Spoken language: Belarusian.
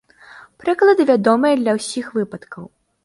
Прыклады вядомыя для ўсіх выпадкаў.